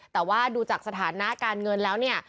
แต่ว่าดูจากสถานะการเงินแล้วเนี่ย